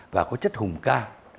và có chất hùng ca